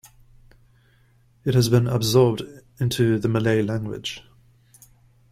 It has been absorbed into the Malay language.